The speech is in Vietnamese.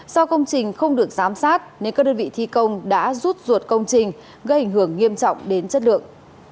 do công trình không được giám sát nên các đơn vị thi công đã rút ruột công trình gây ảnh hưởng nghiêm trọng đến chất lượng